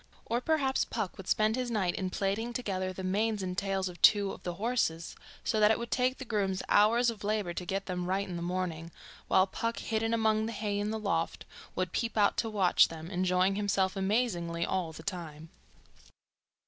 Or perhaps Puck would spend his night in plaiting together the manes and tails of two of the horses, so that it would take the grooms hours of labour to get them right in the morning, while Puck, hidden among the hay in the loft, would peep out to watch them, enjoying himself amazingly all the time.